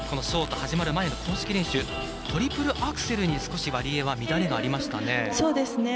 ショート始まる前の公式練習トリプルアクセルに少しワリエワ乱れがありましたね。